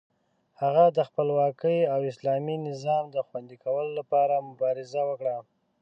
هغه د خپلواکۍ او اسلامي نظام د خوندي کولو لپاره مبارزه وکړه.